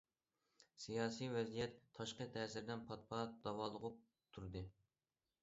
سىياسىي ۋەزىيەت تاشقى تەسىردىن پات پات داۋالغۇپ تۇردى.